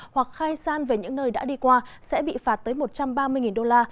hoặc khai san về những nơi đã đi qua sẽ bị phạt tới một trăm ba mươi đô la